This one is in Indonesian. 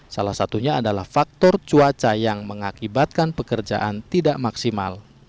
salah satunya adalah faktor cuaca yang mengakibatkan pekerjaan tidak maksimal